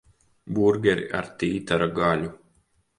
Burgeri ar tītara gaļu.